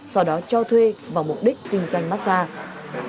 sau đó cho thuê vào mục đích kinh doanh massage